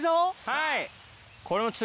はい！